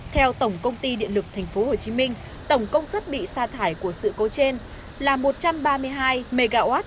theo tổng công ty điện lực tp hcm tổng công suất bị sa thải của sự cố trên là một trăm ba mươi hai mw